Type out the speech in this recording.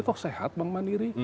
toh sehat bank mandiri